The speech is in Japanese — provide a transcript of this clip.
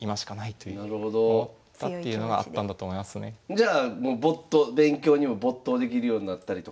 じゃあ勉強にも没頭できるようになったりとか。